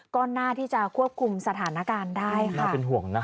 ก็น่าที่จะควบคุมสถานการณ์ได้ค่ะน่าเป็นห่วงนะคะ